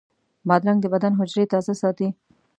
بادرنګ د بدن حجرې تازه ساتي.